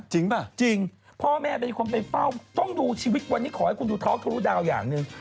ป่ะจริงพ่อแม่เป็นคนไปเฝ้าต้องดูชีวิตวันนี้ขอให้คุณดูท้องทะลุดาวอย่างหนึ่ง